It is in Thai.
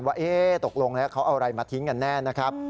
ว่าตกลงแล้วเขาเอาอะไรมาทิ้งกันแน่นะครับ